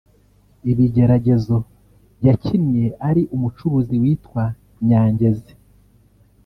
Ibigeragezo[yakinnye ari umucuruzi witwa Nyangenzi]